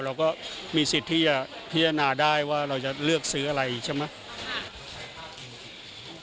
เราก็มีสิทธิ์ที่จะพิจารณาได้ว่าเราจะเลือกซื้ออะไรใช่ไหม